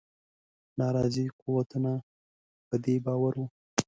ناراضي قوتونه په دې باور وه.